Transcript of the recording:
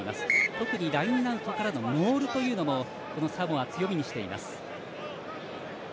特にラインアウトからのモールというのもサモア、強みにしています。